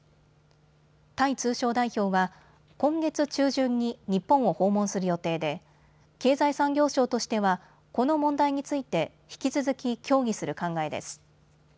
タイ通商代表は今月中旬に日本を訪問する予定で経済産業省としてはこの問題について引き続き協議する考えです。